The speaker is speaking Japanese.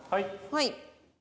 はい。